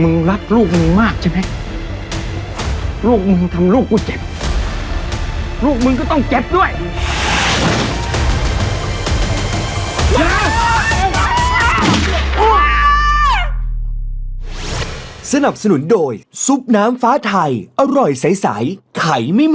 มึงรักลูกมึงมากใช่ไหม